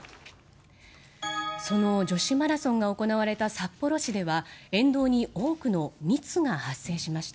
その、女子マラソンが行われた札幌市では沿道に多くの密が発生しました。